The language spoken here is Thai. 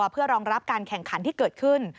เพื่อรองรับการแข่งขันที่เกิดขึ้น